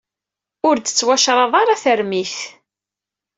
Ur d-tettwacreḍ ara termit.